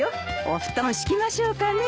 お布団敷きましょうかね。